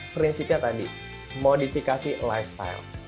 prinsipnya tadi modifikasi lifestyle